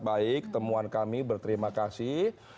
baik temuan kami berterima kasih